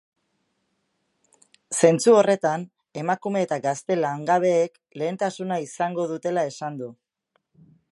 Zentzu horretan, emakume eta gazte langabeek lehentasuna izango dutela esan du.